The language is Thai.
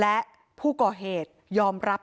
แต่คุณผู้ชมค่ะตำรวจก็ไม่ได้จบแค่ผู้หญิงสองคนนี้